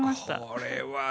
これはね